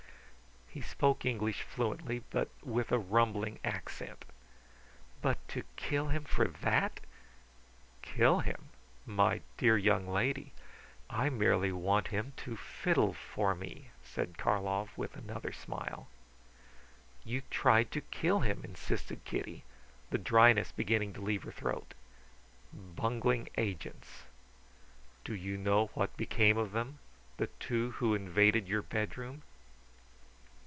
He spoke English fluently, but with a rumbling accent. "But to kill him for that!" "Kill him? My dear young lady, I merely want him to fiddle for me," said Karlov with another smile. "You tried to kill him," insisted Kitty, the dryness beginning to leave her throat. "Bungling agents. Do know what became of them the two who invaded your bedroom?"